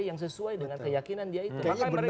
yang sesuai dengan keyakinan dia itu